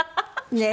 ねえ。